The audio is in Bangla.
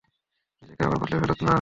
নিজেকে আবার বদলে ফেলো না।